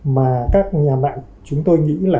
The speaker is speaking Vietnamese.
mà các nhà mạng chúng tôi nghĩ là